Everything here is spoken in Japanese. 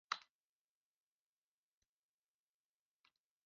tsv ファイル保存